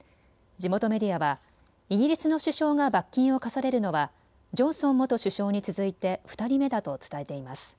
地元メディアはイギリスの首相が罰金を科されるのはジョンソン元首相に続いて２人目だと伝えています。